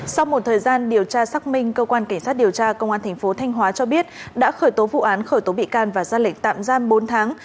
sau một thời gian điều tra xác minh cơ quan cảnh sát điều tra công an tp thanh hóa cho biết đã khởi tố vụ án khởi tố bị can và ra lệnh tạm giam bốn tháng